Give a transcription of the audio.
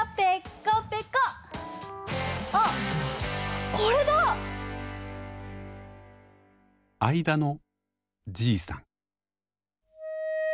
あっこれだ！